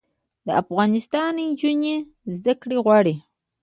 د افغانستان نجونې زده کړې غواړي